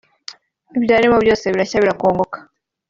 ibyarimo byose birashya birakongoka